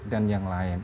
dan yang lain